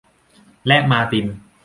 และมาร์ติน